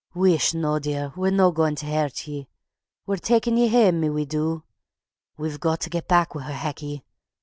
Wheesht noo, dear, we're no gaun tae hurt ye. We're takin' ye hame, my wee doo! We've got tae get back wi' her, Hecky.